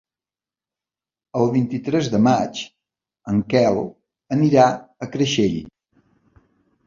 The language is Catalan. El vint-i-tres de maig en Quel anirà a Creixell.